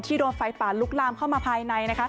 โดนไฟป่าลุกลามเข้ามาภายใน